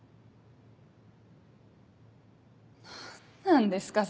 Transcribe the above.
何なんですか？